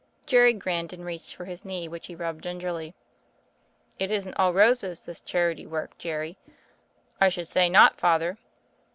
'* Jerry grinned and reached for his knee which he rubbed gingerly. "It isn't all roses — ^this charity work, Jerry." "I should say not, Father."